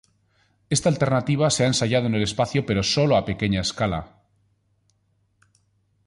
Esta alternativa se ha ensayado en el espacio pero solo a pequeña escala.